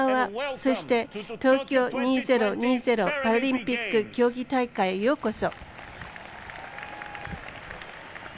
そして、東京２０２０パラリンピック競技大会へようこそ。